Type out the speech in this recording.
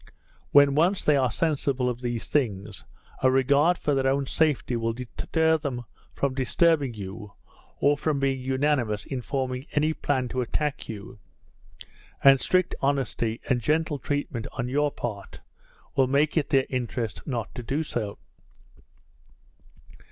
When once they are sensible of these things, a regard for their own safety will deter them from disturbing you, or from being unanimous in forming any plan to attack you; and strict honesty, and gentle treatment on your part, will make it their interest not to do it.